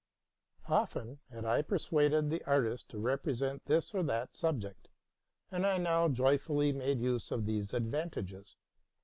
Often had I persuaded the artists to represent this or that subject, and I now joyfully made use of these advantages.